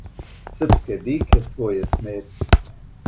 Српске дике, своје сметње.